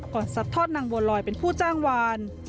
ก่อนซับทอดนางบัวรอยเป็นผู้แจ้งหวาน